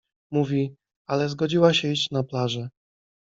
Mówi: — Ala zgodziła się iść na plażę.